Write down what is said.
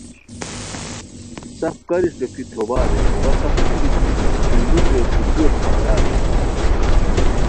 سف کاری ݯوکی توبہ ارینی وا سف ای بیتی چھوئی موخیو ݯھوتیوت حوالہ ارینی